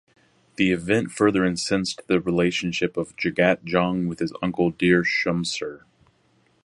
This event further incensed the relationship of Jagat Jung with his uncle Dhir Shamsher.